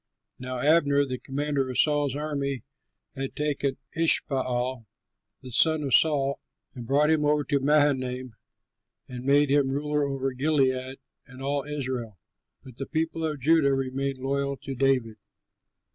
Now Abner, the commander of Saul's army, had taken Ishbaal the son of Saul and brought him over to Mahanaim and made him ruler over Gilead and all Israel. But the people of Judah remained loyal to David.